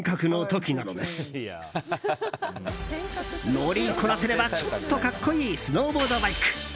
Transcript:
乗りこなせればちょっと格好いいスノーボードバイク。